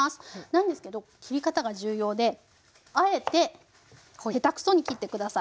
なんですけど切り方が重要であえてこう下手くそに切って下さい。